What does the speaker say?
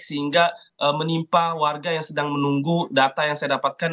sehingga menimpa warga yang sedang menunggu data yang saya dapatkan